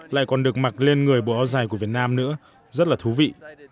lại còn được mặc lên người bộ áo dài của việt nam nữa rất là thú vị